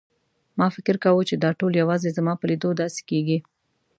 ما فکر کاوه چې دا ټول یوازې زما په لیدو داسې کېږي.